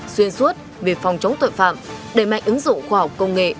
xuyên suốt về phòng chống tội phạm đẩy mạnh ứng dụng khoa học công nghệ